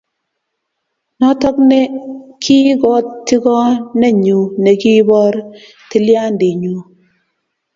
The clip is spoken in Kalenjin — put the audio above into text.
Notok ne kikotigoneenyu ne kiiboor tilyandinyu.